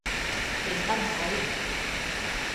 連登仔